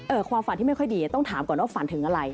ความฝันที่ไม่ค่อยดีต้องถามก่อนว่าฝันถึงอะไร